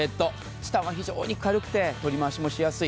チタンは軽くて取り回しもしやすい。